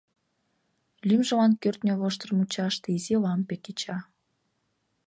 Лӱмжылан кӱртньӧ воштыр мучаште изи лампе кеча.